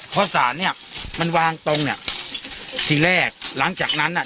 เพราะสารเนี้ยมันวางตรงเนี้ยทีแรกหลังจากนั้นอ่ะ